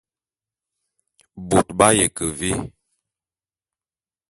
Bôt b'aye ke vé?